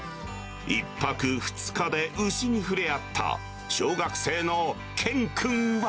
１泊２日で牛に触れ合った小学生の謙君は。